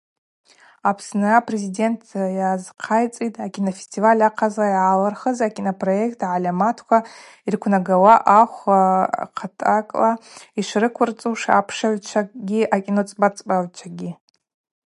Апсны апрезидент йазхъайцӏитӏ акинофестиваль ахъазла йгӏалырхыз акинопроект гӏальаматква йырквнагауа ахв гӏвхъатакӏла йшрыквырцӏуш апшыгӏвчвагьи акиноцӏбацӏбагӏвчвагьи.